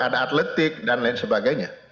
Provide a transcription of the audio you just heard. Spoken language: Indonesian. ada atletik dan lain sebagainya